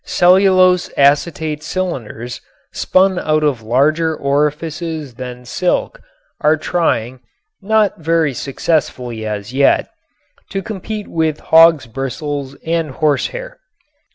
Cellulose acetate cylinders spun out of larger orifices than silk are trying not very successfully as yet to compete with hog's bristles and horsehair.